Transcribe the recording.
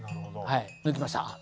はい抜きました。